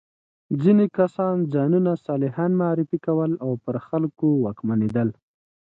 ځینې کسان ځانونه صالحان معرفي کول او پر خلکو واکمنېدل.